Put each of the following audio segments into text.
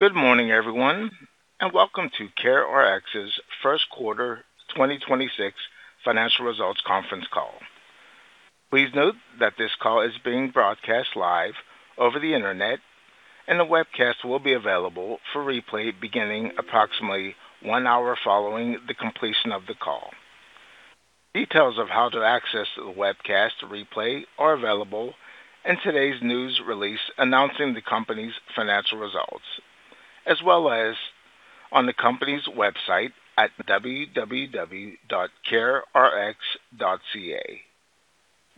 Good morning, everyone, and welcome to CareRx's first quarter 2026 financial results conference call. Please note that this call is being broadcast live over the Internet, and the webcast will be available for replay beginning approximately one hour following the completion of the call. Details of how to access the webcast replay are available in today's news release announcing the company's financial results as well as on the company's website at www.carerx.ca.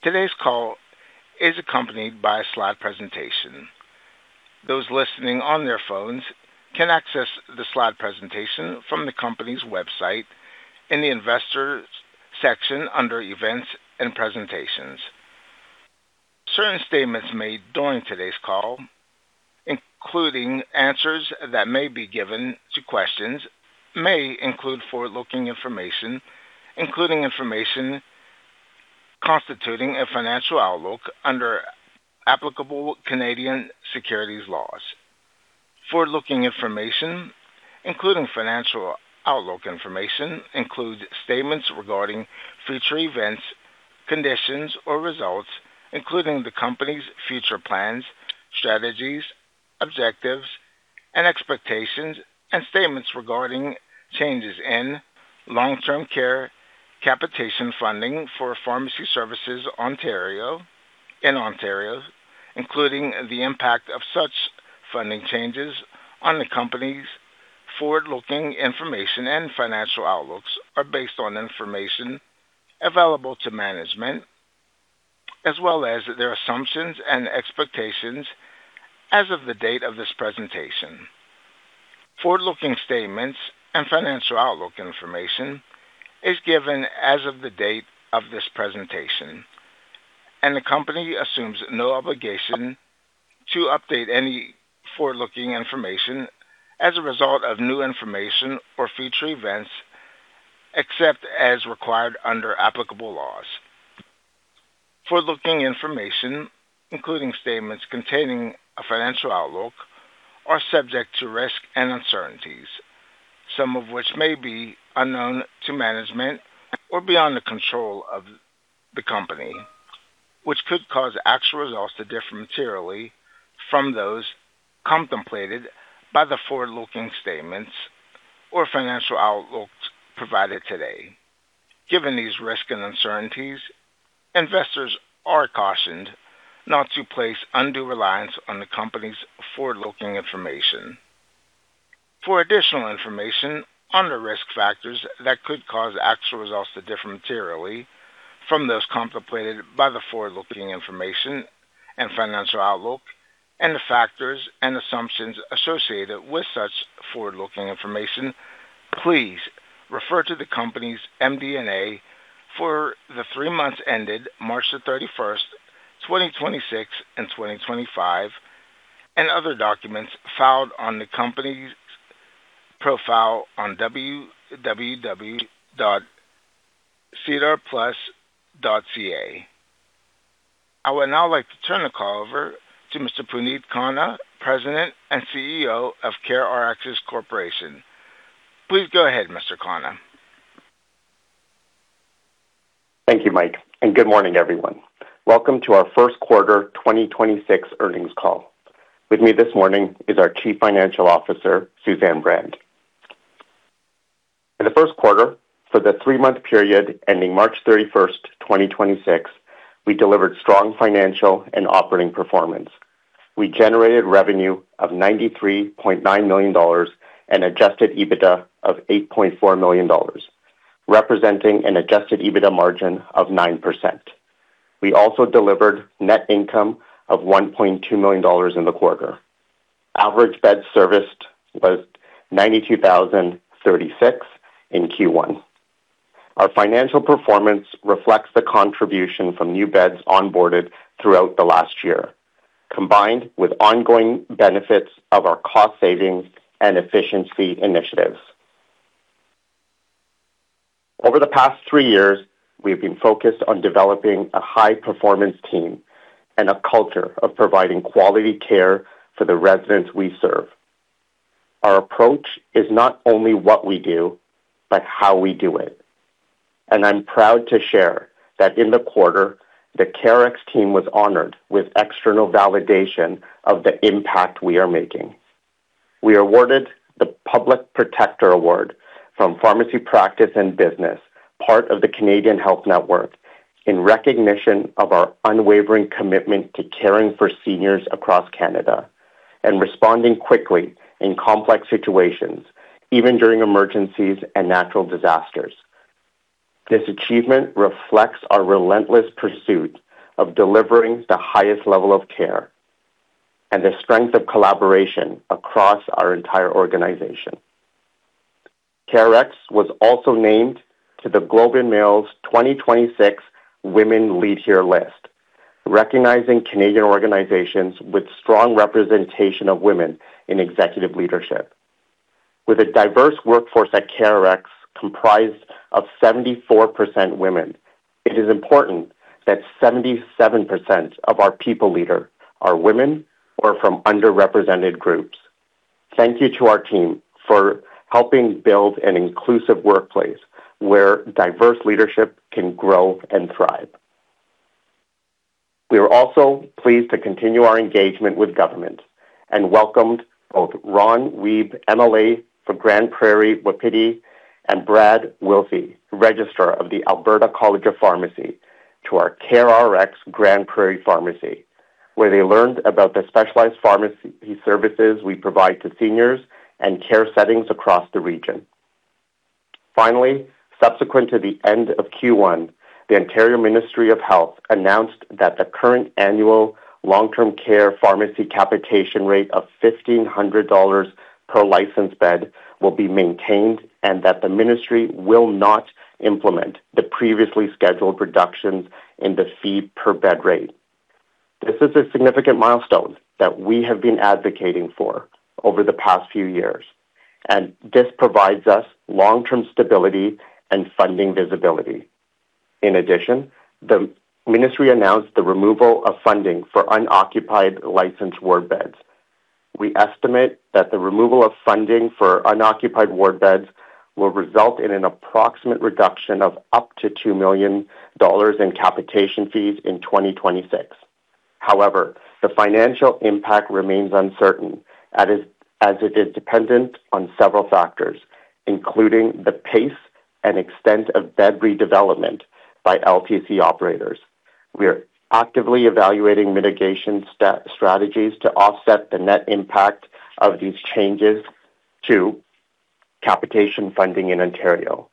Today's call is accompanied by a slide presentation. Those listening on their phones can access the slide presentation from the company's website in the investor section under events and presentations. Certain statements made during today's call, including answers that may be given to questions, may include forward-looking information, including information constituting a financial outlook under applicable Canadian securities laws. Forward-looking information, including financial outlook information, include statements regarding future events, conditions, or results, including the company's future plans, strategies, objectives, and expectations, and statements regarding changes in long-term care capitation funding for pharmacy services in Ontario, including the impact of such funding changes on the company's forward-looking information and financial outlooks are based on information available to management as well as their assumptions and expectations as of the date of this presentation. Forward-looking statements and financial outlook information is given as of the date of this presentation. The company assumes no obligation to update any forward-looking information as a result of new information or future events, except as required under applicable laws. Forward-looking information, including statements containing a financial outlook, are subject to risk and uncertainties, some of which may be unknown to management or beyond the control of the company, which could cause actual results to differ materially from those contemplated by the forward-looking statements or financial outlooks provided today. Given these risks and uncertainties, investors are cautioned not to place undue reliance on the company's forward-looking information. For additional information on the risk factors that could cause actual results to differ materially from those contemplated by the forward-looking information and financial outlook and the factors and assumptions associated with such forward-looking information, please refer to the company's MD&A for the three months ended March 31st, 2026 and 2025, and other documents filed on the company's profile on www.sedarplus.ca. I would now like to turn the call over to Mr. Puneet Khanna, President and CEO of CareRx Corporation. Please go ahead, Mr. Khanna. Thank you, Mike. Good morning, everyone. Welcome to our first quarter 2026 earnings call. With me this morning is our Chief Financial Officer, Suzanne Brand. In the first quarter, for the three-month period ending March 31st, 2026, we delivered strong financial and operating performance. We generated revenue of 93.9 million dollars and adjusted EBITDA of 8.4 million dollars, representing an adjusted EBITDA margin of 9%. We also delivered net income of 1.2 million dollars in the quarter. Average beds serviced was 92,036 in Q1. Our financial performance reflects the contribution from new beds onboarded throughout the last year, combined with ongoing benefits of our cost savings and efficiency initiatives. Over the past three years, we have been focused on developing a high-performance team and a culture of providing quality care for the residents we serve. Our approach is not only what we do but how we do it, and I'm proud to share that in the quarter, the CareRx team was honored with external validation of the impact we are making. We are awarded the Public Protector Award from Pharmacy Practice+Business, part of the Canadian Healthcare Network, in recognition of our unwavering commitment to caring for seniors across Canada and responding quickly in complex situations, even during emergencies and natural disasters. This achievement reflects our relentless pursuit of delivering the highest level of care and the strength of collaboration across our entire organization. CareRx was also named to The Globe and Mail's 2026 Women Lead Here list, recognizing Canadian organizations with strong representation of women in executive leadership. With a diverse workforce at CareRx comprised of 74% women, it is important that 77% of our people leader are women or from underrepresented groups. Thank you to our team for helping build an inclusive workplace where diverse leadership can grow and thrive. We are also pleased to continue our engagement with government and welcomed both Ron Wiebe, MLA for Grande Prairie-Wapiti, and Brad Willsey, Registrar of the Alberta College of Pharmacy, to our CareRx Grande Prairie pharmacy, where they learned about the specialized pharmacy services we provide to seniors and care settings across the region. Finally, subsequent to the end of Q1, the Ontario Ministry of Health announced that the current annual long-term care pharmacy capitation rate of 1,500 dollars per licensed bed will be maintained and that the Ministry will not implement the previously scheduled reductions in the fee per bed rate. This is a significant milestone that we have been advocating for over the past few years, and this provides us long-term stability and funding visibility. In addition, the Ministry announced the removal of funding for unoccupied licensed ward beds. We estimate that the removal of funding for unoccupied ward beds will result in an approximate reduction of up to 2 million dollars in capitation fees in 2026. However, the financial impact remains uncertain at it, as it is dependent on several factors, including the pace and extent of bed redevelopment by LTC operators. We are actively evaluating mitigation strategies to offset the net impact of these changes to capitation funding in Ontario.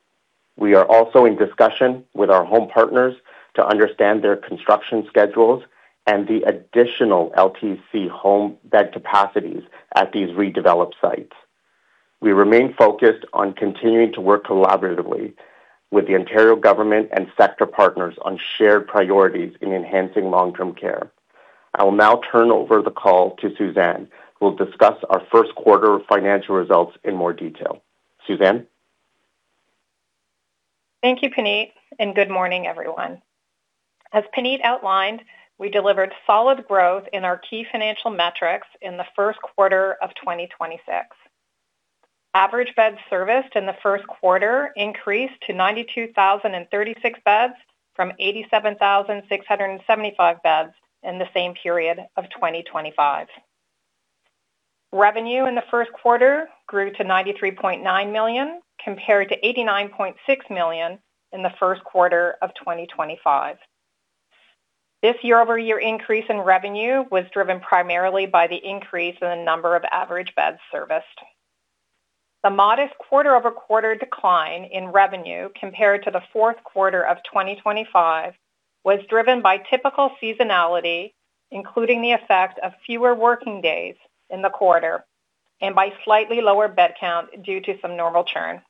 We are also in discussion with our home partners to understand their construction schedules and the additional LTC home bed capacities at these redeveloped sites. We remain focused on continuing to work collaboratively with the Ontario government and sector partners on shared priorities in enhancing long-term care. I will now turn over the call to Suzanne, who will discuss our first quarter financial results in more detail. Suzanne. Thank you, Puneet, and good morning, everyone. As Puneet outlined, we delivered solid growth in our key financial metrics in the first quarter of 2026. Average beds serviced in the first quarter increased to 92,036 beds from 87,675 beds in the same period of 2025. Revenue in the first quarter grew to 93.9 million, compared to 89.6 million in the first quarter of 2025. This year-over-year increase in revenue was driven primarily by the increase in the number of average beds serviced. The modest quarter-over-quarter decline in revenue compared to the fourth quarter of 2025 was driven by typical seasonality, including the effect of fewer working days in the quarter and by slightly lower bed count due to some normal churn.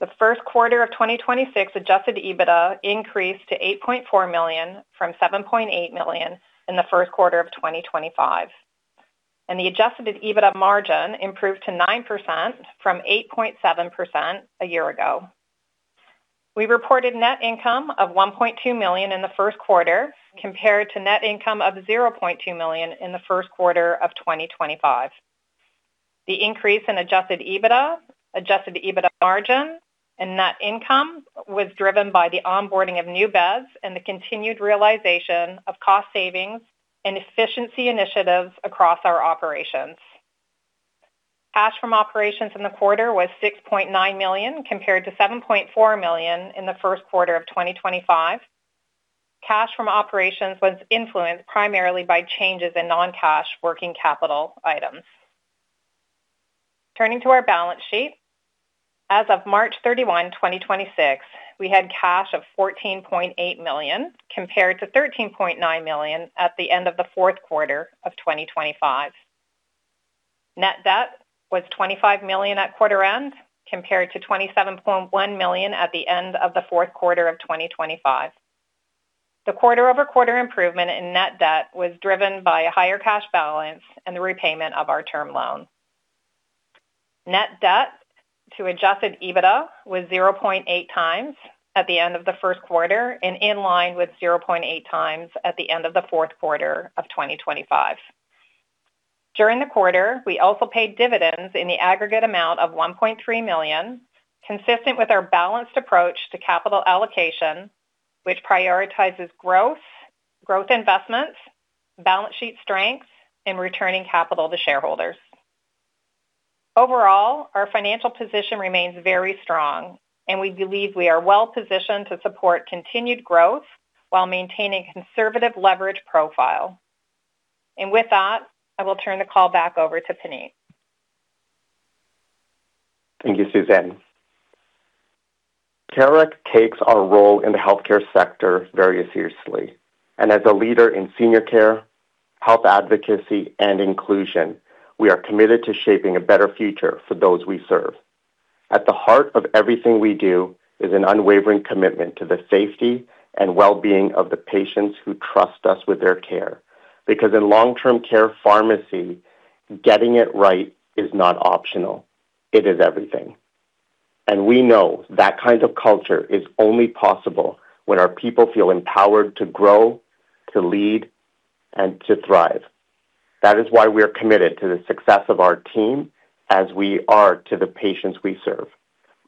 The first quarter of 2026 adjusted EBITDA increased to 8.4 million from 7.8 million in the first quarter of 2025. The adjusted EBITDA margin improved to 9% from 8.7% a year ago. We reported net income of 1.2 million in the first quarter compared to net income of 0.2 million in the first quarter of 2025. The increase in adjusted EBITDA, adjusted EBITDA margin, and net income was driven by the onboarding of new beds and the continued realization of cost savings and efficiency initiatives across our operations. Cash from operations in the quarter was 6.9 million, compared to 7.4 million in the first quarter of 2025. Cash from operations was influenced primarily by changes in non-cash working capital items. Turning to our balance sheet. As of March 31, 2026, we had cash of 14.8 million, compared to 13.9 million at the end of the fourth quarter of 2025. Net debt was 25 million at quarter end, compared to 27.1 million at the end of the fourth quarter of 2025. The quarter-over-quarter improvement in net debt was driven by a higher cash balance and the repayment of our term loan. Net debt to adjusted EBITDA was 0.8x at the end of the first quarter and in line with 0.8x at the end of the fourth quarter of 2025. During the quarter, we also paid dividends in the aggregate amount of 1.3 million, consistent with our balanced approach to capital allocation, which prioritizes growth investments, balance sheet strengths, and returning capital to shareholders. Overall, our financial position remains very strong. We believe we are well-positioned to support continued growth while maintaining conservative leverage profile. With that, I will turn the call back over to Puneet. Thank you, Suzanne. CareRx takes our role in the healthcare sector very seriously, and as a leader in senior care, health advocacy, and inclusion, we are committed to shaping a better future for those we serve. At the heart of everything we do is an unwavering commitment to the safety and well-being of the patients who trust us with their care. Because in long-term care pharmacy, getting it right is not optional. It is everything. We know that kind of culture is only possible when our people feel empowered to grow, to lead, and to thrive. That is why we are committed to the success of our team as we are to the patients we serve.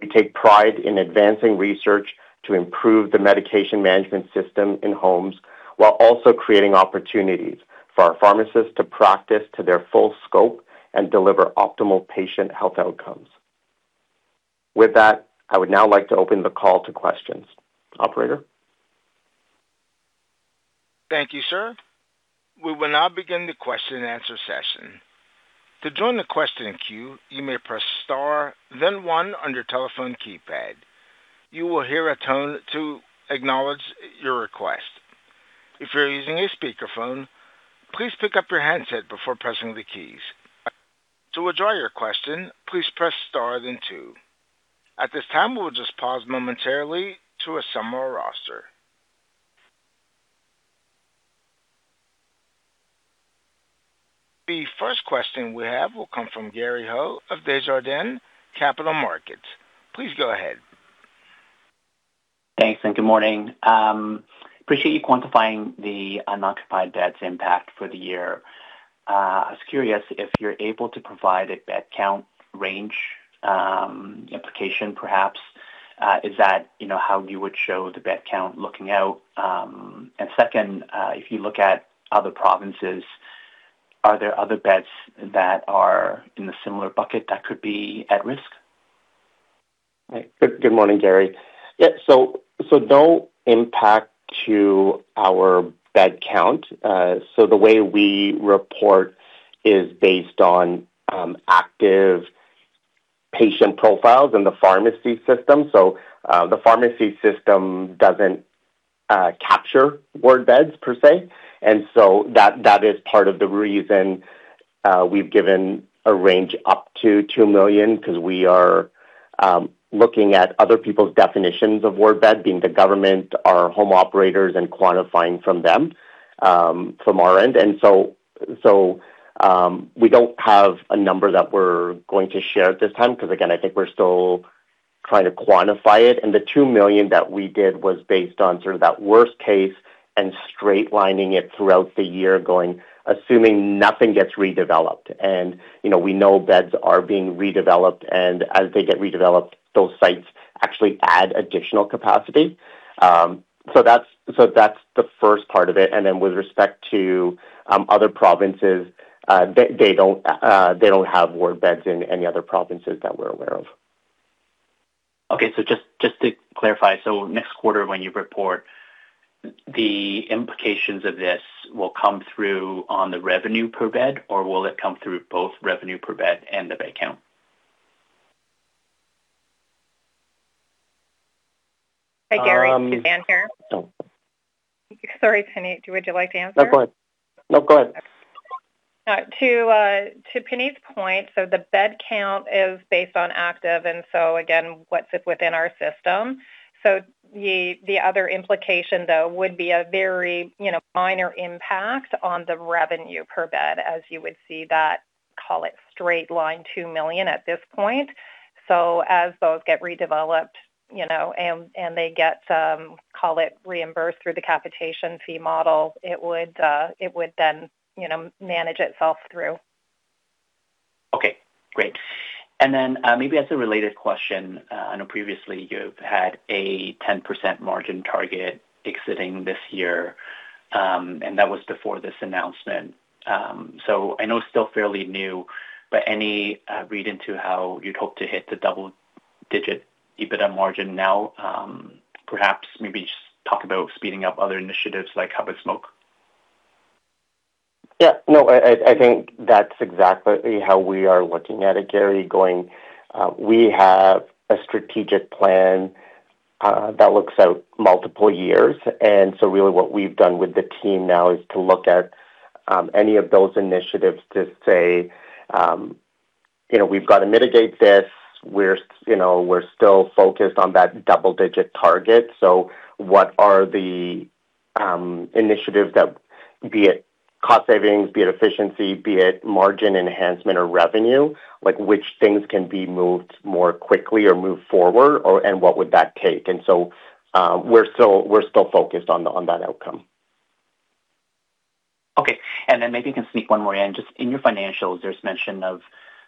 We take pride in advancing research to improve the medication management system in homes, while also creating opportunities for our pharmacists to practice to their full scope and deliver optimal patient health outcomes. With that, I would now like to open the call to questions. Operator. Thank you, sir. We will now begin the question-and-answer session. To join the questioning queue, you may press star then one on your telephone keypad. You will hear a tone to acknowledge your request. If you're using a speakerphone, please pick up your handset before pressing the keys. To withdraw your question, please press star then two. At this time, we'll just pause momentarily to assemble our roster. The first question we have will come from Gary Ho of Desjardins Capital Markets. Please go ahead. Thanks, and good morning. appreciate you quantifying the unoccupied beds impact for the year. I was curious if you're able to provide a bed count range, implication, perhaps. Is that, you know, how you would show the bed count looking out? Second, if you look at other provinces, are there other beds that are in a similar bucket that could be at risk? Good morning, Gary. No impact to our bed count. The way we report is based on active patient profiles in the pharmacy system. The pharmacy system doesn't capture ward beds per se. That is part of the reason we've given a range up to 2 million, 'cause we are looking at other people's definitions of ward bed, being the government, our home operators, and quantifying from them from our end. We don't have a number that we're going to share at this time, 'cause again, I think we're still trying to quantify it. The 2 million that we did was based on sort of that worst case and straight lining it throughout the year, going, assuming nothing gets redeveloped. You know, we know beds are being redeveloped and as they get redeveloped, those sites actually add additional capacity. So that's the first part of it. Then with respect to other provinces, they don't have ward beds in any other provinces that we're aware of. Okay. Just to clarify. Next quarter, when you report, the implications of this will come through on the revenue per bed, or will it come through both revenue per bed and the bed count? Hi, Gary. It's Suzanne here. Sorry, Puneet. Would you like to answer? No, go ahead. No, go ahead. To Puneet's point, the bed count is based on active and so again, what's within our system. The other implication, though, would be a very, you know, minor impact on the revenue per bed, as you would see that, call it straight line 2 million at this point. As those get redeveloped, you know, and they get, call it reimbursed through the capitation fee model, it would then, you know, manage itself through. Okay, great. Maybe as a related question, I know previously you've had a 10% margin target exiting this year, and that was before this announcement. I know it's still fairly new, but any read into how you'd hope to hit the double-digit EBITDA margin now? Perhaps maybe just talk about speeding up other initiatives like hub-and-spoke. Yeah. No, I think that's exactly how we are looking at it, Gary, going, we have a strategic plan that looks out multiple years. Really what we've done with the team now is to look at any of those initiatives to say, you know, we've got to mitigate this. We're, you know, we're still focused on that double-digit target. What are the initiatives that, be it cost savings, be it efficiency, be it margin enhancement or revenue, like, which things can be moved more quickly or moved forward or, and what would that take? We're still focused on that outcome. Okay. Then maybe you can sneak one more in. Just in your financials, there's mention of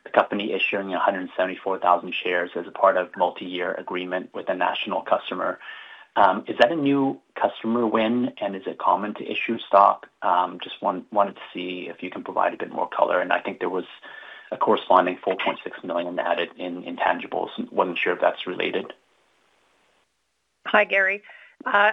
the company issuing 174,000 shares as a part of multi-year agreement with a national customer. Is that a new customer win, and is it common to issue stock? Just wanted to see if you can provide a bit more color. I think there was a corresponding 4.6 million added in intangibles. Wasn't sure if that's related. Hi, Gary.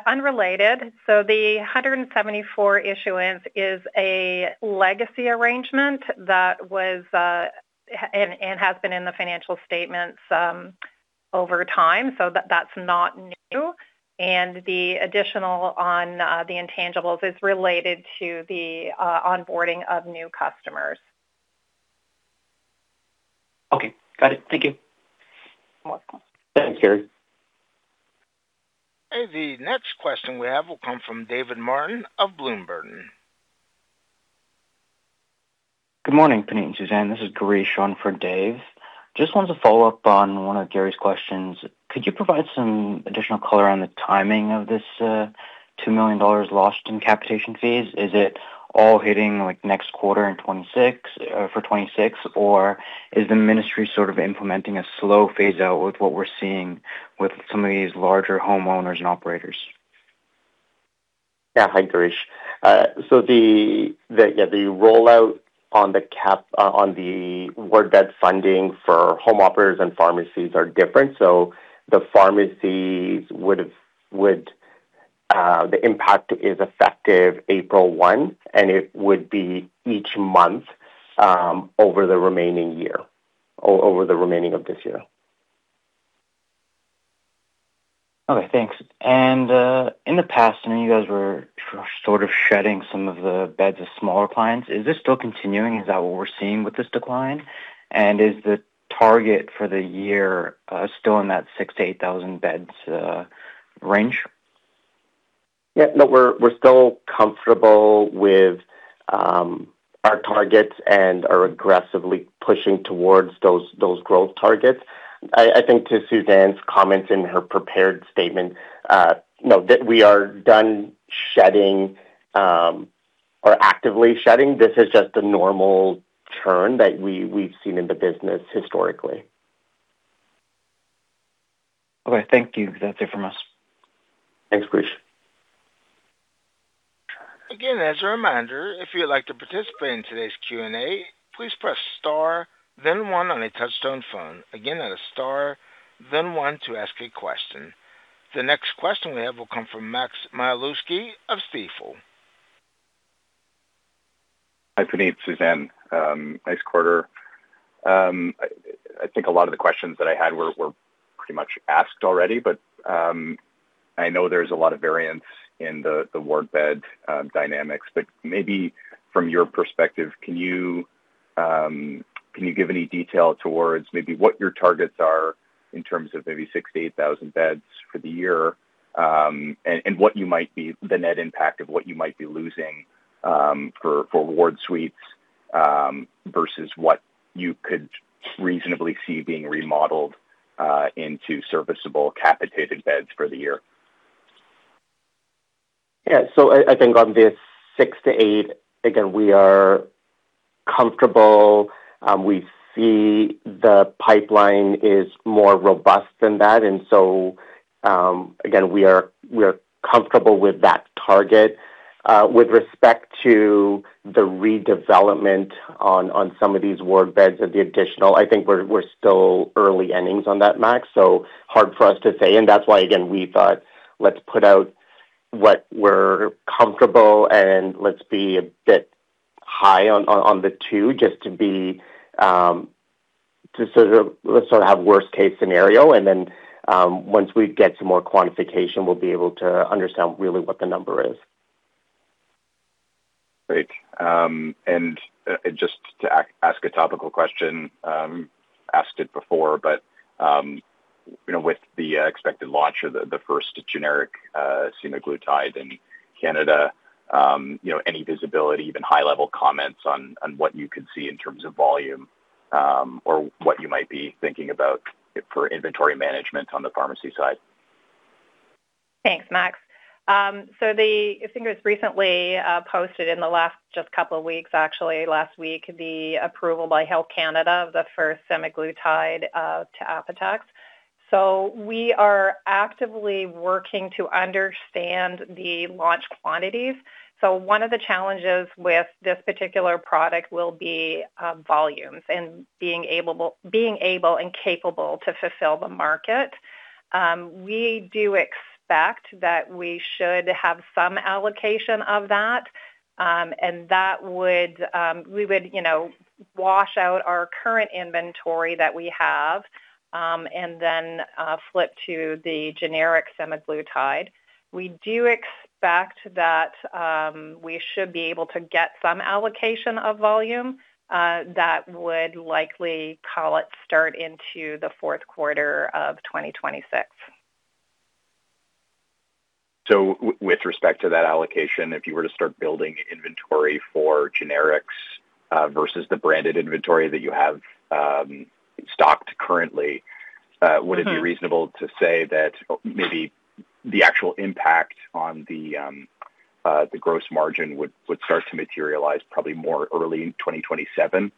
Unrelated. The 174 issuance is a legacy arrangement that was and has been in the financial statements over time. That's not new. The additional on the intangibles is related to the onboarding of new customers. Okay. Got it. Thank you. You're welcome. Thanks, Gary. The next question we have will come from David Martin of Bloom Burton. Good morning, Puneet and Suzanne. This is Gireesh on for Dave. Just wanted to follow up on one of Gary's questions. Could you provide some additional color on the timing of this 2 million dollars lost in capitation fees? Is it all hitting like next quarter in 2026 for 2026? Or is the Ministry sort of implementing a slow phase-out with what we're seeing with some of these larger homeowners and operators? Hi, Gireesh. The rollout on the ward bed funding for home operators and pharmacies are different. The pharmacies would have, the impact is effective April 1, and it would be each month over the remaining year, over the remaining of this year. Okay, thanks. In the past, I know you guys were sort of shedding some of the beds of smaller clients. Is this still continuing? Is that what we're seeing with this decline? Is the target for the year still in that 6,000-8,000 beds range? No, we're still comfortable with our targets and are aggressively pushing towards those growth targets. I think to Suzanne's comments in her prepared statement, no, we are done shedding or actively shedding. This is just a normal churn that we've seen in the business historically. Okay, thank you. That's it from us. Thanks, Gireesh. As a reminder, if you'd like to participate in today's Q&A, please press star then one on a touch-tone phone. That is star then one to ask a question. The next question we have will come from Max Czmielewski of Stifel. Hi, Puneet, Suzanne. Nice quarter. I think a lot of the questions that I had were pretty much asked already, but I know there's a lot of variance in the ward bed dynamics. Maybe from your perspective, can you give any detail towards maybe what your targets are in terms of maybe 6,000-8,000 beds for the year, and the net impact of what you might be losing for ward suites versus what you could reasonably see being remodeled into serviceable capitated beds for the year? I think on this 6,000-8,000, again, we are comfortable. We see the pipeline is more robust than that. Again, we are comfortable with that target. With respect to the redevelopment on some of these ward beds of the additional, I think we're still early innings on that, Max. Hard for us to say, and that's why, again, we thought, let's put out what we're comfortable and let's be a bit high on the two just to be, let's sort of have worst-case scenario and then, once we get some more quantification, we'll be able to understand really what the number is. Great. Just to ask a topical question, asked it before, but, you know, with the expected launch of the first generic semaglutide in Canada, you know, any visibility, even high-level comments on what you could see in terms of volume, or what you might be thinking about for inventory management on the pharmacy side? Thanks, Max. I think it was recently posted in the last just couple of weeks, actually last week, the approval by Health Canada of the first semaglutide to Apotex. We are actively working to understand the launch quantities. One of the challenges with this particular product will be volumes and being able and capable to fulfill the market. We do expect that we should have some allocation of that, and that would, we would, you know, wash out our current inventory that we have, and then flip to the generic semaglutide. We do expect that we should be able to get some allocation of volume that would likely, call it, start into the fourth quarter of 2026. With respect to that allocation, if you were to start building inventory for generics, versus the branded inventory that you have, stocked currently. Would it be reasonable to say that maybe the actual impact on the gross margin would start to materialize probably more early 2027?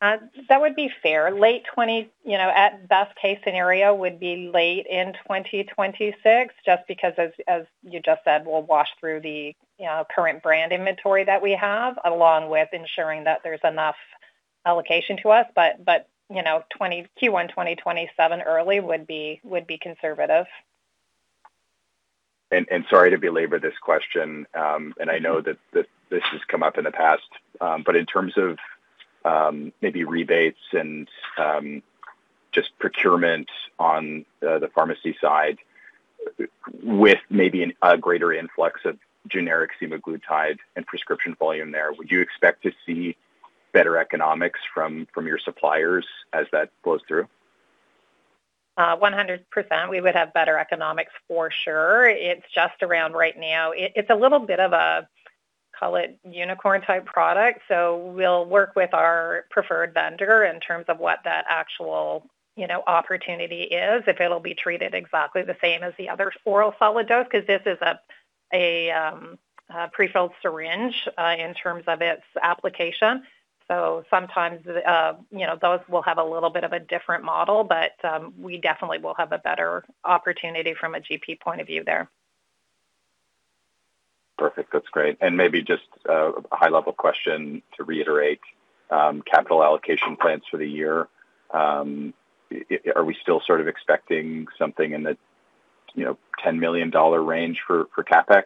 That would be fair. You know, at best case scenario would be late in 2026 just because as you just said, we'll wash through the, you know, current brand inventory that we have, along with ensuring that there's enough allocation to us. You know, Q1 2027 early would be conservative. Sorry to belabor this question, and I know that this has come up in the past, but in terms of, maybe rebates and, just procurement on, the pharmacy side with maybe a greater influx of generic semaglutide and prescription volume there, would you expect to see better economics from your suppliers as that flows through? 100% we would have better economics for sure. It's just around right now. It's a little bit of a, call it unicorn-type product. We'll work with our preferred vendor in terms of what that actual, you know, opportunity is, if it'll be treated exactly the same as the other oral solid dose. This is a prefilled syringe in terms of its application. Sometimes, you know, those will have a little bit of a different model, but we definitely will have a better opportunity from a GP point of view there. Perfect. That's great. Maybe just a high-level question to reiterate, capital allocation plans for the year. Are we still sort of expecting something in the, you know, 10 million dollar range for CapEx?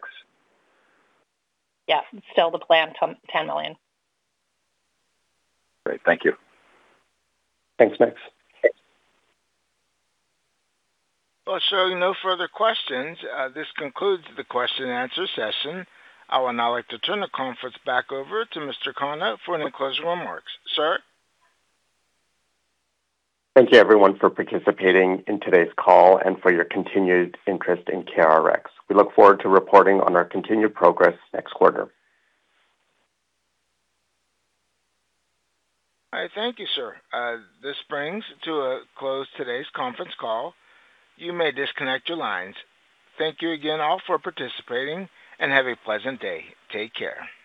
Yeah. Still the plan, 10 million. Great. Thank you. Thanks, Max. Okay. Well, showing no further questions, this concludes the question-and-answer session. I would now like to turn the conference back over to Mr. Khanna for any closing remarks. Sir? Thank you everyone for participating in today's call and for your continued interest in CareRx. We look forward to reporting on our continued progress next quarter. All right. Thank you, sir. This brings to a close today's conference call. You may disconnect your lines. Thank you again all for participating. Have a pleasant day. Take care.